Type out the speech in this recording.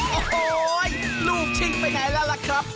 โอ้โหลูกชิงไปไหนแล้วล่ะครับ